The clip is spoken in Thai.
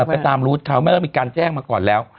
ไปตามรูดเขาไม่ต้องมีการแจ้งมาก่อนแล้ว